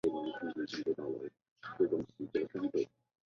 这个王朝以其自由主义政策以及对正义和慈善事业的关注而闻名。